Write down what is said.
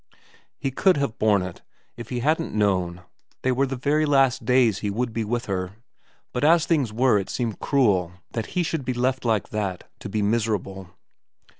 He could have borne it if he hadn't known they were the very last days he would be with her, but as things were it seemed cruel that he should be left like that to be miserable.